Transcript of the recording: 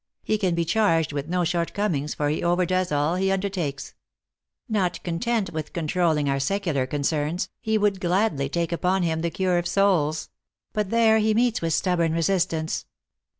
He can be charged with no short comings, for he overdoes all he undertakes. Xot con tent with controlling our secular concerns, he would gladly take upon him the cure of souls. But there he meets with stubborn resistance."